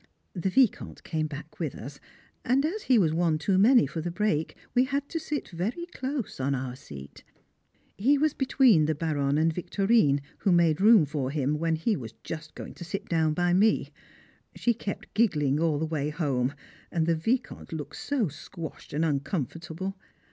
The Vicomte came back with us, and, as he was one too many for the brake, we had to sit very close on our seat. He was between the Baronne and Victorine, who made room for him when he was just going to sit down by me. She kept giggling all the way home, and the Vicomte looked so squashed and uncomfortable.